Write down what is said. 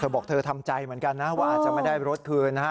บอกเธอทำใจเหมือนกันนะว่าอาจจะไม่ได้รถคืนนะฮะ